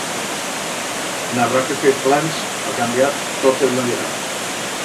N'habrá que fer plans pa cambiar tot el maderamen.